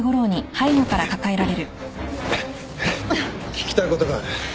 聞きたいことがある。